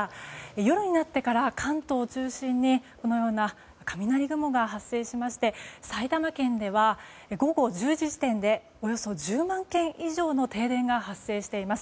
夜になってから関東を中心にこのような雷雲が発生しまして埼玉県では午後１０時時点でおよそ１０万軒以上の停電が発生しています。